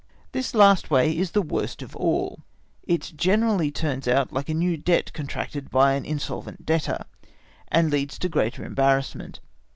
This last way is the worst of all, it generally turns out like a new debt contracted by an insolvent debtor, and leads to greater embarrassment.